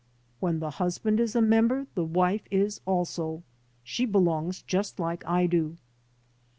"When the husband is a member the wife is also. She belongs just like I do."